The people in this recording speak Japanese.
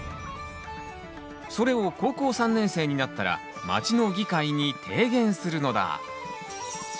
それを高校３年生になったら町の議会に提言するのだ。